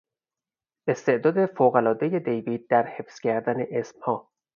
استعداد فوق العادهی دیوید در حفظ کردن اسمها